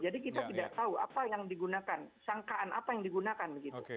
jadi kita tidak tahu apa yang digunakan sangkaan apa yang digunakan